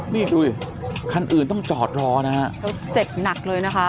นี่ดูสิคันอื่นต้องจอดรอนะฮะแล้วเจ็บหนักเลยนะคะ